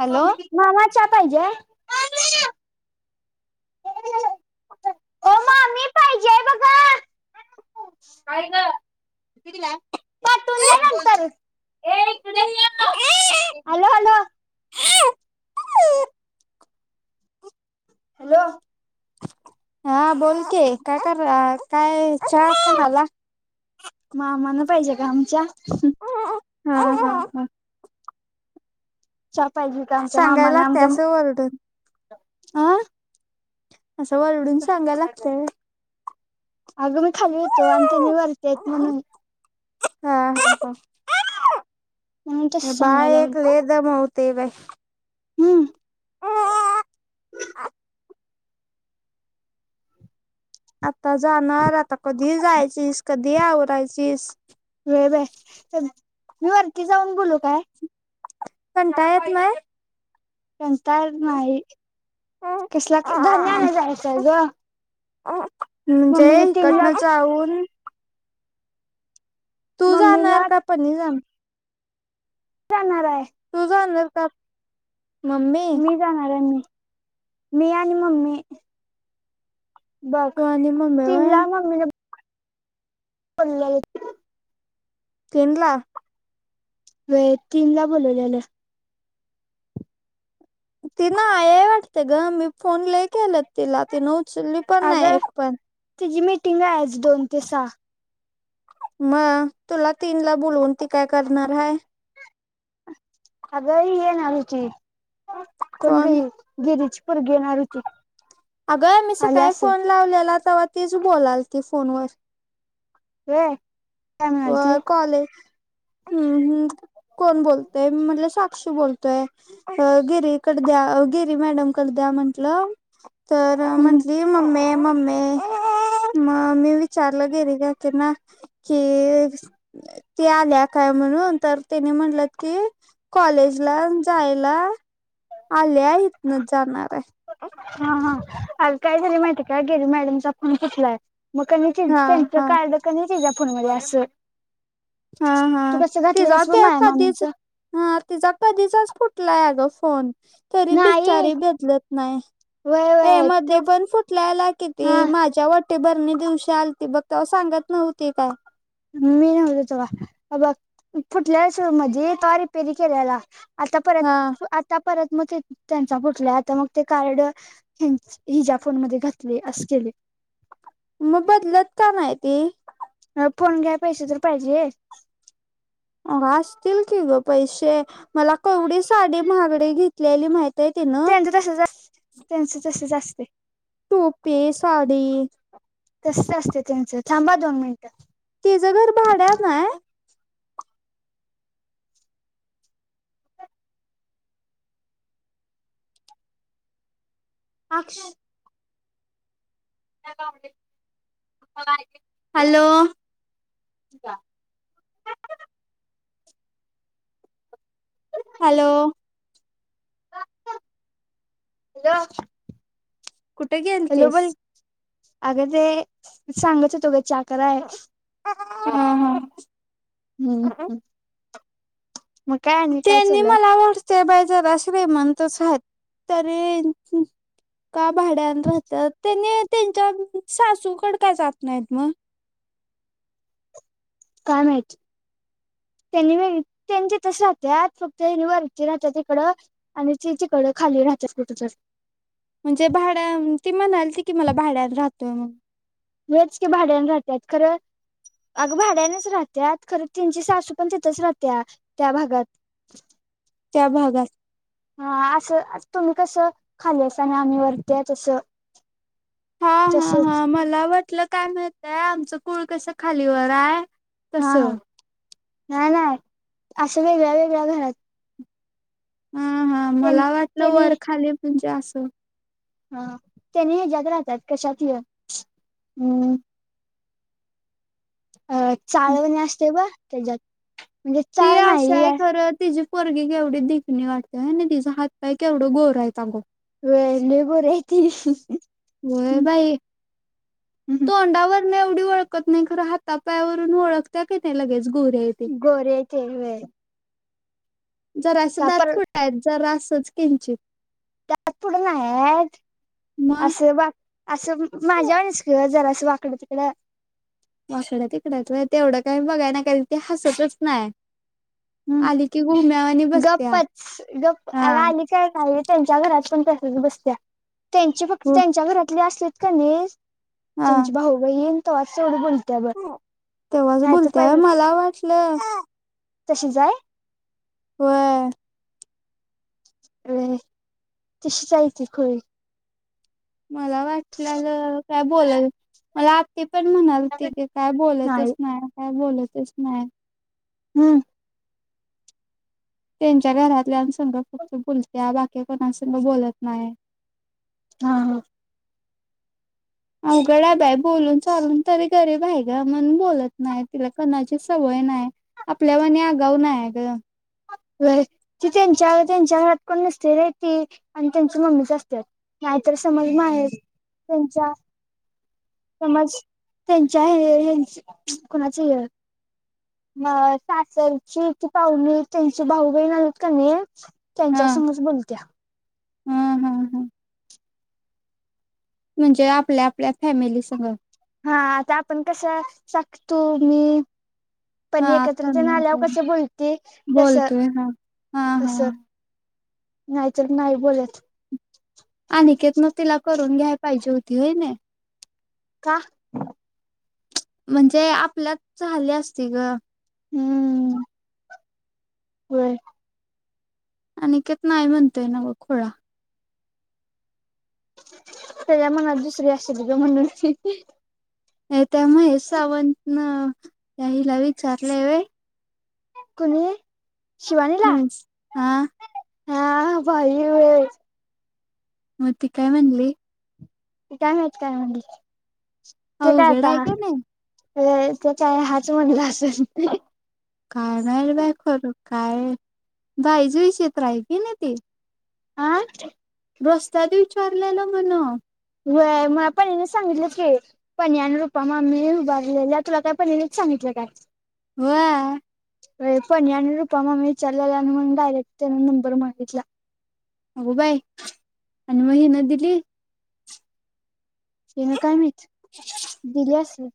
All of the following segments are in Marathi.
हॅलो मामा चहा पाहिजेय. ओ मामी पाहिजे बघा. [inaudible] काय गं. पाठवून दे नंतर. ए इकडे ये. आलो आलो. हॅलो. हा बोल की काय करालेस काय चहा झाला. मामाना पाहिजे गं आमच्या. ह ह ह. चहा पाहिजे होता. आमच्या सांगायला मामाांना लागते आमच्या असं वरडून आ. असं वरडून सांगायला लागतंय व्हयं. अगं मी खाली होतो. त्यांनी वरती आहेत म्हणून. हा हा म्हणून हा तसं बाळ सांगायला लागलो. एक लै दमवतय. ते व्हय. हम्म. आता जाणार आता कधी जायचीस कधी आवरायचीस. व्हय बाई मी वरती जाऊन बोलू काय. कंटाळ येत नाही. कंटाळ नाही कसला धान्य अनायला जायचं आहे गं. अ म्हणजे मम्मीने तीनला हिकडं जावून. तू जाणार मम्मीला का पणी जाण जाणार आहे. तू जाणार का मम्मी. मी जाणार ये मी. मी आणि मम्मी. बघ तु आणि मम्मी व्हयं. तीनला मम्मीने [unintelligible] तेन ला. व्हयं तीन ला बोलवल्याल. ति नाही ये वाटते गं मी फोन लै केलेत. तिला तिनं उचली पण नाही अगं एक पण. तिची मीटिंग आहे दोन ते सहा. मग तुला तीन ला बोलवून ती काय करणार हाय. आगं ही येणार होती. कोण फोन गं ही गिरीज ची पोरगी येणार होती. अगं मी आली सकाळी असल फोन लावलेला. तवा तीच बोलालती फोनवर. होय. व कॉलेज हम्म हम्म कोण बोलतंय मी म्हटलं साक्षी बोलतोय. अ गिरीकड द्या गिरी मॅडम कड द्या म्हंटलं तर हम्म म्हटलं मम्मे मम्मे मग मी विचारलं गिरी काकी ना. ते ती आल्या काय म्हणून, तर त्यानी म्हणल की. कॉलेज ला जायला आल्या. हितनच जाणार आहे. हा हा आणि काय झाली माहितीय का गिरी मॅडमचा फोन फुटलाय. मग कणी हा तेनच हा कार्ड कणी तिच्या फोन मध्ये असलं. हा हा तू कस तिचा घातलेलीस बग ते माया कधीच मामीच. हा तिचा कधीचाच फुटलाय आगं फोन. तरी नाही बिचारी बदलत नाही. व्हय ते व्हय मध्यी पण फुटलेला हा किती माझ्या वा ते बर्नी दिवशी आलती बघ तेव्हा सांगत नव्हती काय. मी नव्हती तेव्हा अब फुटल्या शरू मध्ये पार रिपेरिं केलेला. आता हा परत आता परत मग ते त्यांचा फुटलाय आता मग ते कार्ड. हिजा फोन मध्ये घातले असं केलेय. मग बदलत का नाही ती. फोन घ्याय पैसे तर पाहिजे. असतील की गं पैसे. मला केवढी साडी माहागडी घेतलेली माहितय तिनं. त्यांचं तसंच असतंय त्यांचं तसंच असतंय. टुपी साडी. तसंच असते त्यांचं, थांब दोन मिनिटं. तिच घर भाड्यान आय. [unintelligible] हॅलो. हॅलो. हॅलो. कुठे हॅलो गेलतीस? बोल अगं ते सांगायचं होतो गं चाह कराय. हा हा. हम्म हम्म. त्यांनी मला आवडते बाय जरा श्रीमंतच आहेस तरी का भाड्यान राहत्यात त्यांनी त्यांच्या सासूकड का जात नाहीत म? काय माहित. त्यांनी बघी त्यांचे तस राहत्या फक्त [unintelligible] त्या तिकडं. आणि चीची कडं खाली राहतात कुठं तर. म्हणजे भाड्या ती म्हणालती की मला भाड्यान राहतोय मग. वेच के भाड्याने राहत्यात खरं. अगं भाड्यानेच राहत्या खरं तीनची सासू पण तिथेच राहत्या त्या भागात. त्या भागात. हा असं तुम्ही कसं खालेस आणि आम्ही वरती आहे तसं. हा हा तसच. हा मला वाटलं काय माहितया आमचं कूळ कसं खालीवर आहे हा हा तसं नाही असं वेगळ्या वेगळ्या घरात. हा हा त्यां मला वाटलं त्याने वर खाली म्हणजे असं. हा त्याने ह्यज्यात राहत्यात कशात य हम्म. अ चाळवणी असते ब त्याज्यात. ती असा आहे खरं तिजी पोरगे केवढी धीकणी वाटतेय आणि तिचा हात पाय केवढं गोर आहे आगो. वय लय गोरी आहे ती. वय बाई. तोंडावर नाही एवढी ओळखत नाही खरं हाता पाया वरून ओळखत्या की नाही लगेच गोरी आहे. ते गोरी आहे ते ही वेय. जरासा दात आपण पुढं आहे जरासच किंचित. दात पुढे नाय आहेत. मग असं वाक असं माझ्या म वणीच की जरा असं वाकडं तिकडं. वाकड्या तिकड्यात वय तेवढं काही बघाय नका ते कधी हसतच नाय. हम्म आली की गुम्या आणि गप्पच गप्प अगं आली काय काही त्यांच्या घरात पण तसच बसत्या. त्यांचे फक्त हो त्यांच्या घरातले असलेत का नाहीस हा त्यांची भाऊ बहीण तव्हा सोड बून तेव्हाच बोलतेय मला वाटलं कशी जाय. होय. वेय तशी चालती खळी. मला वाटल्यालं काय बोलेल. मला आत्ती पण म्हणाल होती की काय नाही बोलतच नाय काय बोलतच नाय. हम्म. त्यांच्या घरातल्यान संग फक्त बुलत्या बाकी कोणा संग बोलत नाय. हा हा. अवघड आहे बाई बोलून चालून तरी घरी गरीब आहे गं म्हणून बोलत नाय तिला कणाची सवय नाय. आपल्या वाणी आगव नाही हाय गं. वय ती त्यांच्या त्यांच्या घरात पण नसते रे ती आणि त्यांची मम्मीच असत्यात. नाहीतर समज माहेश त्यांच्या समज त्यांच्या हे हेंच कुणाच य माया सासरची ती पाहुणे त्यांची भाऊ बहीण आलेत का नाही त्यांच्या समोरच बोलत्या. आं हां हां. म्हणजे आपल्या आपल्या फॅमिली संगं. हा आता आपण कसं साख, तु, मी पण हा एकत्र तेन तन्मय आल्यावर कसं बोलती तसं बोलतोय हा हा तसं. हा नाही तर नाही बोलत. अनिकेत नं तिला करून घ्याय पाहिजे होती व्हय नाय. का म्हणजे आपल्यात झालं असती गं. हम्म. वय. अनिकेत नाही म्हणतोय ना बघ खुळा. त्याच्या या मनात दुसरी अशीत गं म्हणून. नाही त्या महेश सावंत नं त्या हिला विचारलं व्हय. कुणी शिवानीला महेश हा हा भारी वेच. म ती काय म्हणली? काय माहीत काय म्हणली ते काय अवघड आता आहे हा का नाही वय त्याच्या हाच म्हणला आसल. काय नाही रे बाय खरं काय भाईजीहीचीत राहि की नाही ती. आं रस्त्यात विचारलेला म्हणं. वय मला पण हिने सांगितलं की. पनीयान रूपा मामी उभारलेल्या तुला काय पनीनीच सांगितलं काय? व्हाय. वय पनीयान आणि रुपा मामी विचारलेला आणि मग डायरेक्ट त्याने नंबर मागितल्या. अगो बाय आणि म हिनं दिली? हिनं काय माहिती दिली असेल.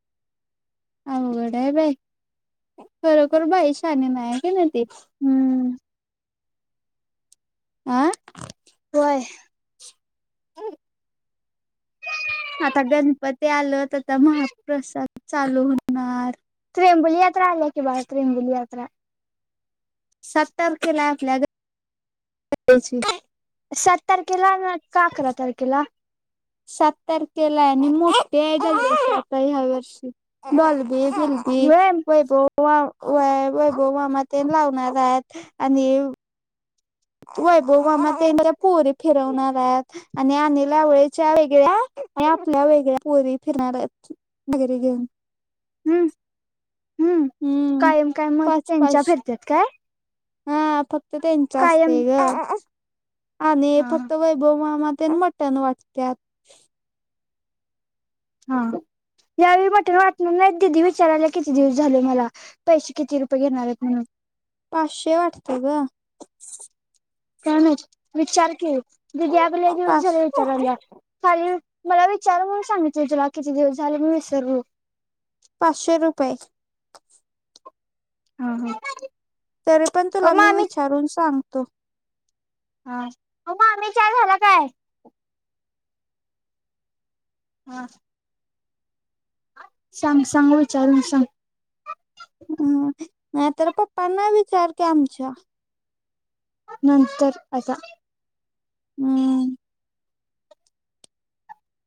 अवघड आहे बाई खरोखर बाई शहाणी नाय हाय काय नाय ते. हम्म. आं व्हय. आता गणपती आलं तर त्या महाप्रसाद चालू होणार. त्रिंबुली यात्रा आल्या की बाहेर त्रिंबुली यात्रा. सात तारखेला आपल्या. [unintelligible] सात तारखेला म का अकरा तारखेला? सात तारखेला आणि मोठे आहे [unintelligible] ह्या वर्षी बॉल बी बिल ती व्हय वैभव वाव वैभव बो मामातेन लावणार आहेत आणि वैभव मामा तेन त्या पोरी फिरवणार आहेत. आणि आनेल्या वेळेच्या वेगळ्या आणि आपल्या वेगळ्या पोरी फिरणाऱ्यात. [unintelligible] घेऊन. हम्म हम्म हम्म कायम काय मत पाच त्यांच्या पाच फिरत्यात काय. हा फक्त त्यांच कायम असतंय गं. आणि हा फक्त वैभव मामा आणि ते मटण वाटत्यात. हां यावेळी मटण वाटणार नाहीत. दिदी विचारायला किती दिवस झाले मला. पैसे किती रुपये घेणार आहेत म्हणून. पाचशे वाटतं गं. काय माहित विचार की दिदि आगं लै दिवस पाच झाल विचाराल्या. खाली मला विचार म्हणून सांगितलं तुला किती दिवस झाले मी विसरलो. पाचशे रुपये हा हा. तरी पण तुला मी विचारून सांगतो. हा मामी चा घरात हाय. हा. सांग सांग विचारून सांग. हम नाहीतर पप्पांना विचार कि आमच्या. नंतर आता. हम्म.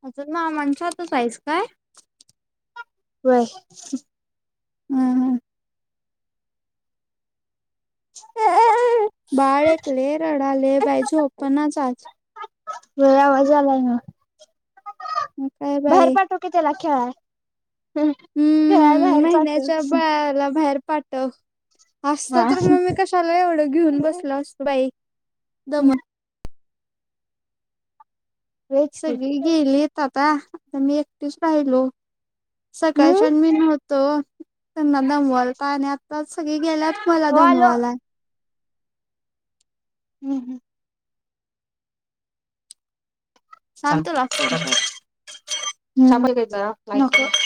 अजून मामांच्यातच आहेस काय. व्हय. ह ह. बाळ एक लै रडालय बाई झोपनाच आज. व्हय आवाज यालाय नवं मग काय बाहेर बाई पाठव. कि त्याला खेळाय. खेळाय हम्म बाहेर महिन्याच्या पाठव बाळाला बाहेर पाट तर असतं हा तर मी कशाला एवढं घेऊन बसलो असतो बाई दमत. व्हयच की सगळी गेलीत आता, आता मी एकटीच राहिलो. हम्म सकाळच्यान मी नव्हतो त्यांना दमवलता आणि आता सगळी गेल्यात. मला ओ आलो दमवालाय. हम हम. सांग तुला फोन करून [unintelligible]